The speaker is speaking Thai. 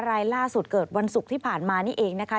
รายล่าสุดเกิดวันศุกร์ที่ผ่านมานี่เองนะคะ